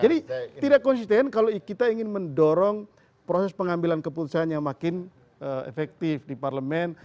jadi tidak konsisten kalau kita ingin mendorong proses pengambilan keputusan yang makin efektif di parlemen